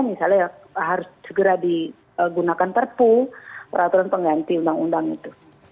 misalnya harus segera digunakan perpu peraturan pengganti undang undang itu